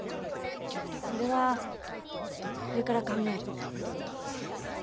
それはこれから考える。